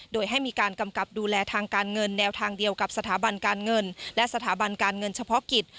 โดยให้มีการกำกับดูแลทางการเงินแนวทางเดียวกับสถาบันการเงินและสถาบันการเงินเฉพาะกิจ